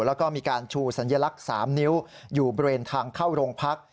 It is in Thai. แล้วก็มีการชูสัญลักษณ์๓นิ้วอยู่บริเวณทางเข้าโรงพัก